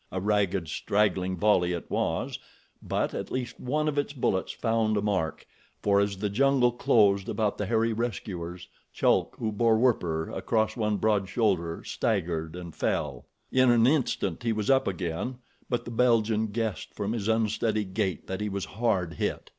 A ragged, straggling volley it was, but at least one of its bullets found a mark, for as the jungle closed about the hairy rescuers, Chulk, who bore Werper across one broad shoulder, staggered and fell. In an instant he was up again; but the Belgian guessed from his unsteady gait that he was hard hit.